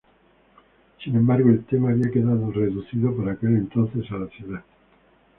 Sin embargo, el tema había quedado reducido por aquel entonces a la ciudad.